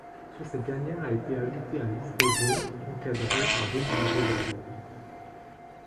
Sur cette dernière a été ajoutée un liseré jaune encadré par deux liserés bordeaux.